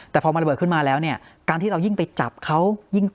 แต่พอมันระเบิดขึ้นมาแล้วเนี่ยการที่เรายิ่งไปจับเขา